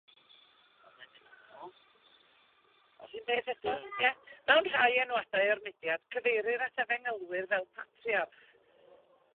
Mewn rhai enwadau o'r mudiad, cyfeirir at efengylwr fel patriarch.